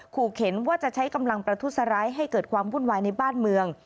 ขู่เข็นว่าจะใช้กำลังประทุษร้ายให้เกิดความวุ่นวายในบ้านเมือง